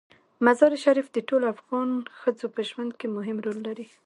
مزارشریف د ټولو افغان ښځو په ژوند کې مهم رول لري.